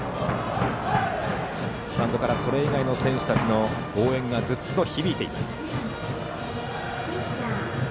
スタンドからそれ以外の選手たちの応援がずっと響いています。